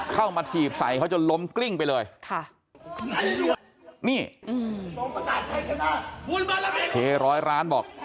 เข้ามาถีบใส่เขาจะล้มกลิ้งไปเลยค่ะร้อยร้านบอก